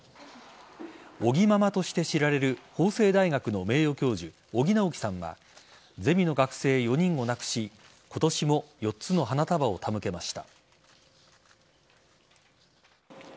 尾木ママとして知られる法政大学の名誉教授尾木直樹さんはゼミの学生４人を亡くし今年も４つの花束を手向けました。